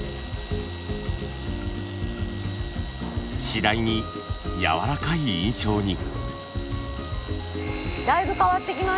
次第に柔らかい印象に。